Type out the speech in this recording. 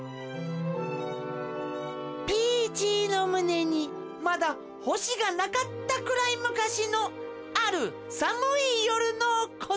ピーチーのむねにまだほしがなかったくらいむかしのあるさむいよるのことでした。